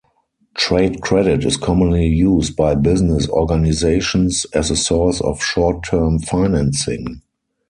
Trade credit is commonly used by business organisations as a source of short-term financing.